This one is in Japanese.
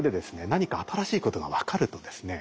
何か新しいことが分かるとですね